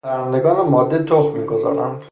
پرندگان ماده تخم میگذارند.